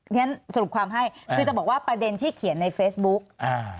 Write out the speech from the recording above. ฉะนั้นสรุปความให้คือจะบอกว่าประเด็นที่เขียนในเฟซบุ๊กอ่า